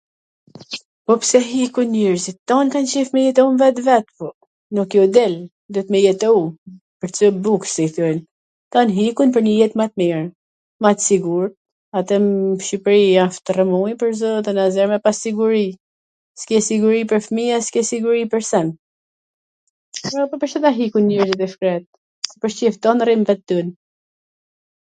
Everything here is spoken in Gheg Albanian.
Po pse hikun njerzit? T tan kan qef me jetu n vend vet, por nuk ju del, duet me jetu, pwr nj cop buk, si i thojn. Kan hikun pwr njw jet ma t mir, ma t sigurt. Atje n Shqipria asht rrwmuj pwr zotin, asgja me pas siguri, s ke siguri pwr fmijwn, s ke siguri pwr sen, ...pse do hikun njerzit e shkret... pwr qef ton rrim n ven t huj.